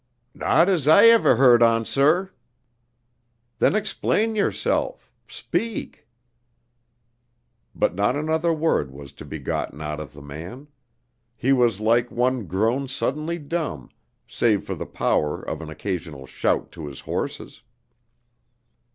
"Not as ever I heerd on, sir." "Then explain yourself. Speak!" But not another word was to be gotten out of the man. He was like one grown suddenly dumb, save for the power of an occasional shout to his horses.